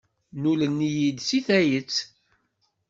Nnulen-iyi-d deg tayet.